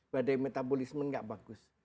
badai metabolisme gak bagus